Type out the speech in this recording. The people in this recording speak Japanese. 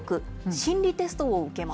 心理テスト？